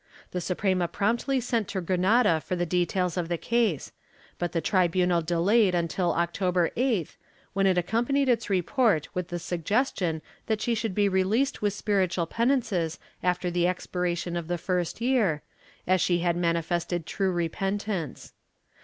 The Suprema promptly sent to Granada for the details of the case, but the tribunal delayed until October 8th, when it accompanied its report with the sug gestion that she should be released with spiritual penances after the expiration of the first year, as she had manifested true repen tance.